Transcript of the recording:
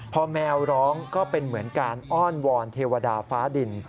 พอแมวร้องก็เป็นเหมือนการอ้อนวอนเทวดาฟ้าดิน